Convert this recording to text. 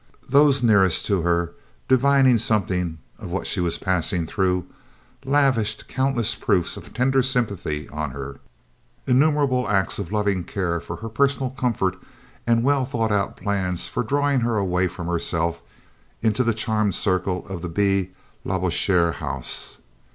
Those nearest to her, divining something of what she was passing through, lavished countless proofs of tender sympathy on her, innumerable acts of loving care for her personal comfort, and well thought out plans for drawing her away from herself into the charmed circle of the B Labouchere house.